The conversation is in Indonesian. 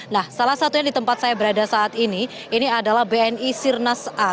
nah salah satunya di tempat saya berada saat ini ini adalah bni sirnas a